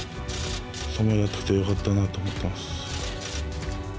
相撲やっててよかったなと思ってます。